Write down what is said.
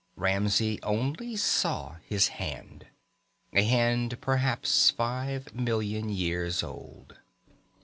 Ramsey only saw his hand. A hand perhaps five million years old.